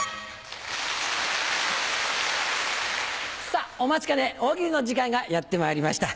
さぁお待ちかね大喜利の時間がやってまいりました。